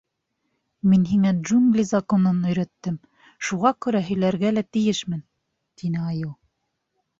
— Мин һиңә Джунгли Законын өйрәттем, шуға күрә һөйләргә лә тейешмен, — тине айыу.